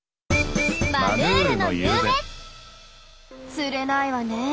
釣れないわねえ。